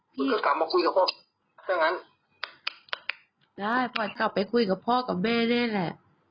พี่ก็กลับมาคุยกับพ่อด้วยงั้นได้พลอยกลับไปคุยกับพ่อกับเบ่นเนี้ยแหละ